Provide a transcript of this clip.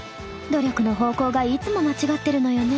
努力の方向がいつも間違ってるのよね。